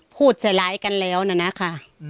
พูดสลายกันแล้วนะนะคะ